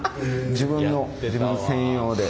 自分の専用で。